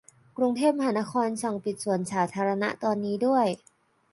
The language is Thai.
กรุงเทพมหานครสั่งปิดสวนสาธารณะตอนนี้ด้วย